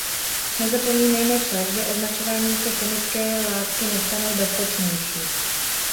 Nezapomínejme však, že označováním se chemické látky nestanou bezpečnější!